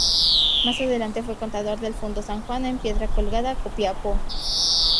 Más adelante fue contador del fundo ""San Juan"" en Piedra Colgada, Copiapó.